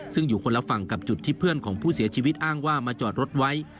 ซึ่งอยู่คนละฝั่งกับจุดที่เพื่อนของผู้เสียชีวิตอ้างว่ามาจอดรถไว้